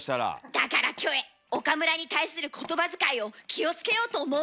だからキョエ岡村に対する言葉遣いを気をつけようと思う。